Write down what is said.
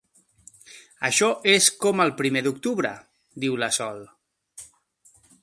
Això és com el Primer d'Octubre! —diu la Sol.